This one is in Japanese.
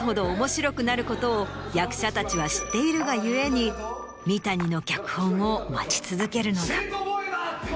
ことを役者たちは知っているが故に三谷の脚本を待ち続けるのだ。